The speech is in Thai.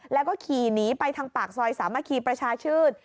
แล้วก็ขี่หนีไปทางปากซอยสามัคคีประชาชื่น